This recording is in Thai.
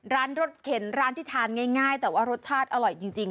รสเข็นร้านที่ทานง่ายแต่ว่ารสชาติอร่อยจริง